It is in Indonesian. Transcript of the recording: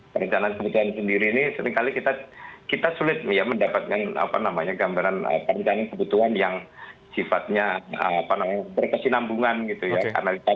perencanaan kebutuhan sendiri ini seringkali kita sulit mendapatkan gambaran perencanaan kebutuhan yang sifatnya berkesinambungan gitu ya